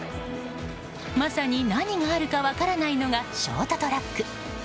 まさに何があるか分からないのがショートトラック。